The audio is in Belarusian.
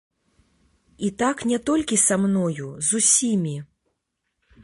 І так не толькі са мною, з усімі.